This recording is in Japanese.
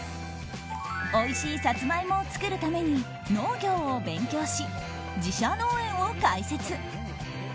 おいしいサツマイモを作るために農業を勉強し、自社農園を開設。